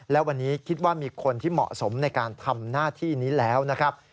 และวันนี้คิดว่ามีคนที่เหมาะสมในการทำหน้าที่นี้แล้วนะครับ